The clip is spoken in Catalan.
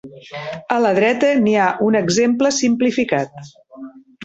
A la dreta n'hi ha un exemple simplificat.